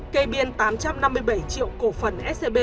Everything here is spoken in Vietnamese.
kê biên tám trăm năm mươi bảy triệu cổ phần scb